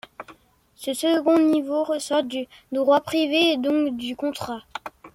Ce second niveau ressort du droit privé et donc du contrat.